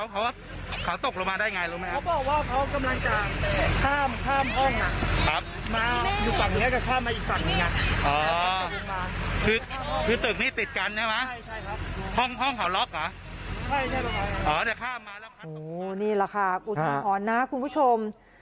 โหนี่แหละค่ะคุณผู้ชม